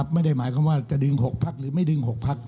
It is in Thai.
ไม่ได้หมายความว่าจะดึง๖พักหรือไม่ดึง๖พัก